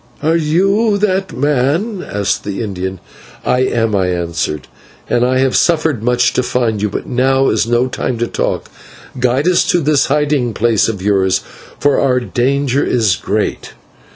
"Are you that man?" asked the Indian. "I am," I answered, "and I have suffered much to find you, but now is no time for talk; guide us to this hiding place of yours, for our danger is great."